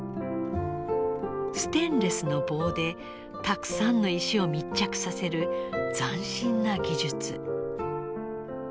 ステンレスの棒でたくさんの石を密着させる斬新な技術。